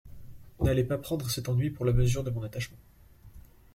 N'allez pas prendre cet ennui pour la mesure de mon attachement.